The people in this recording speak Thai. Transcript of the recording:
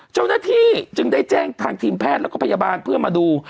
เจ้าหน้าที่จึงได้แจ้งทางทีมแพทย์แล้วก็พยาบาลเพื่อมาดู